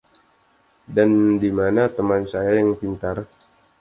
Dan di mana teman saya yang pintar?